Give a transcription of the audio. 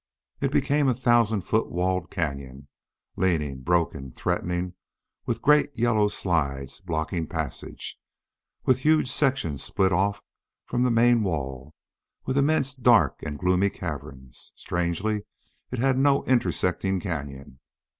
It became a thousand foot walled cañon, leaning, broken, threatening, with great yellow slides blocking passage, with huge sections split off from the main wall, with immense dark and gloomy caverns. Strangely, it had no intersecting cañon.